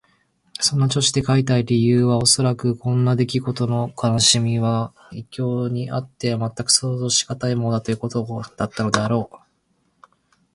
そんな調子で書いた理由はおそらく、こんなできごとの悲しみは異郷にあってはまったく想像しがたいものだ、というところにあったのであろう。